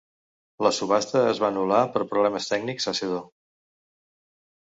La subhasta es va anul·lar per problemes tècnics a Sedo.